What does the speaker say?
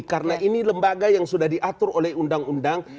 karena ini lembaga yang sudah diatur oleh undang undang